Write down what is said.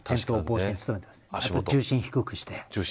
あとは重心を低くして。